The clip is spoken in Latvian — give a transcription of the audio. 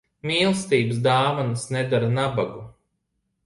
Mīlestības dāvanas nedara nabagu.